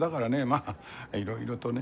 まあいろいろとね。